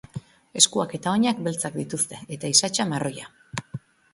Eskuak eta oinak beltzak dituzte eta isatsa marroia.